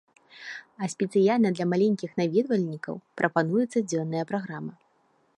А спецыяльна для маленькіх наведвальнікаў прапануецца дзённая праграма.